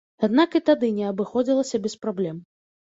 Аднак і тады не абыходзілася без праблем.